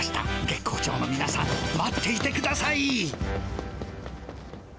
月光町のみなさん待っていてください。